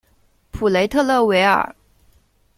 普雷特勒维尔。